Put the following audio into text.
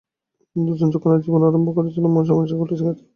দুজনে যখন জীবন আরম্ভ করেছিলেম মেসোমশায়ের কোলের কাছে, সে তো না ভেবে চিন্তে।